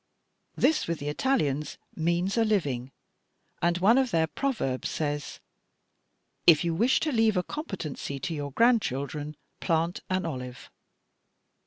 This with the Italians means a living, and one of their proverbs says, 'If you wish to leave a competency to your grandchildren, plant an olive.'